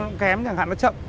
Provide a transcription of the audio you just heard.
nó kém chẳng hạn nó chậm